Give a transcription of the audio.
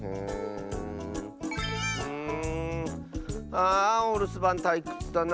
あおるすばんたいくつだな。